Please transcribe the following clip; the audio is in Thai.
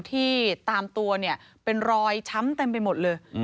ที่ตามตัวเนี่ยเป็นรอยช้ำเต็มไปหมดเลย